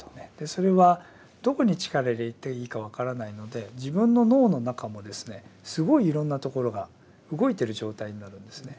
それはどこに力入れていいか分からないので自分の脳の中もですねすごいいろんなところが動いてる状態になるんですね。